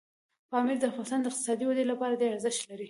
پامیر د افغانستان د اقتصادي ودې لپاره ډېر ارزښت لري.